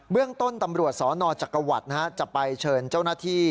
เรื่องต้นตำรวจสนจักรวรรดิจะไปเชิญเจ้าหน้าที่